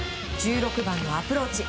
１６番のアプローチ。